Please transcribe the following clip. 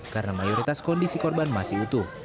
karena mayoritas kondisi korban masih utuh